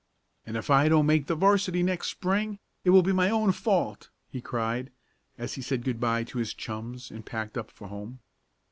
"And if I don't make the 'varsity next Spring, it will be my own fault!" he cried, as he said good bye to his chums and packed up for home.